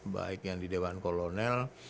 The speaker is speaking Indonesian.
baik yang di dewan kolonel